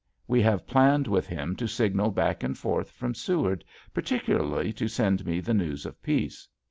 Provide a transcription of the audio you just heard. We have planned with him to signal back and forth from Seward, particularly to send me the news of peace.